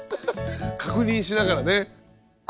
確認しながらね！